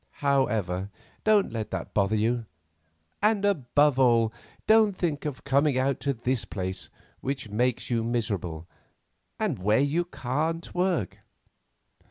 However, don't let that bother you, and above all, don't think of coming out to this place which makes you miserable, and where you can't work.